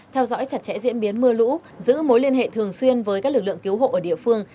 theo dõi chặt chẽ diễn biến mưa lũ giữ mối liên hệ thường xuyên với các lực lượng cứu hộ ở địa phương